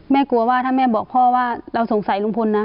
กลัวว่าถ้าแม่บอกพ่อว่าเราสงสัยลุงพลนะ